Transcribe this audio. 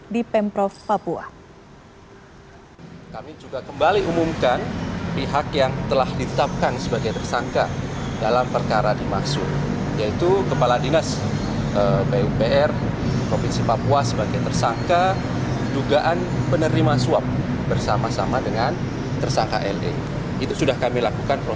di pemprov papua